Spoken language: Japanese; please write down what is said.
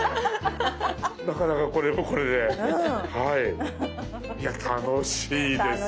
なかなかこれもこれで楽しいです。